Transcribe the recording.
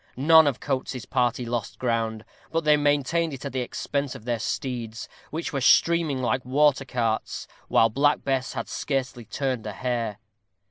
None of Coates's party lost ground, but they maintained it at the expense of their steeds, which were streaming like water carts, while Black Bess had scarcely turned a hair.